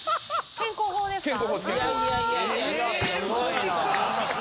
健康法です。